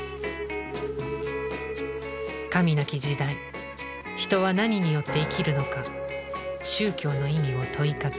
神なき時代人は何によって生きるのか宗教の意味を問いかけ。